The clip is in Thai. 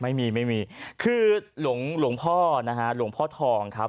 ไม่มีไม่มีคือหลวงหลวงพ่อนะฮะหลวงพ่อทองครับ